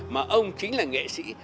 mà ông chính là nghệ sĩ